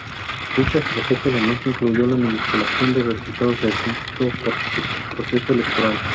Dicha estrategia además incluyó la manipulación de los resultados de dicho proceso electoral.